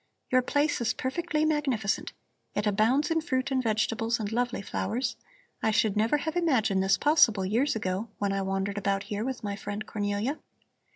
Your place is perfectly magnificent; it abounds in fruit and vegetables and lovely flowers. I should never have imagined this possible years ago, when I wandered about here with my friend Cornelia.